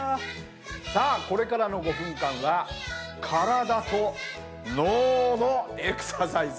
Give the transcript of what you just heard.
さあこれからの５分間は体と脳のエクササイズ。